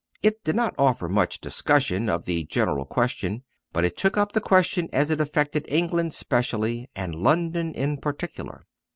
It did not offer much discussion of the general question, but it took up the question as it affected England specially and London in particular.